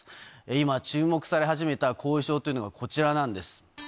今、注目され始めた後遺症というのはこちらなんです。